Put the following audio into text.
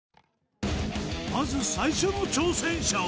まず最初の挑戦者は？